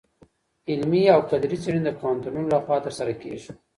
علمي او کدري څېړني د پوهنتونونو لخوا ترسره کيږي.